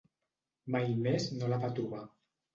Mai més no la va trobar.